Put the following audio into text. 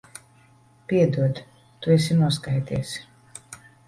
Piedod. Tu esi noskaities.